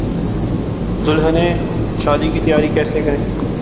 دلہنیں شادی کی تیاری کیسے کریں